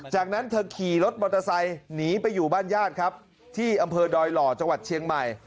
จากนั้นเธอขี่รถมอเตอร์ไซค์หนีไปอยู่บ้านญาติครับที่อำเภอดอยหล่อจังหวัดเชียงใหม่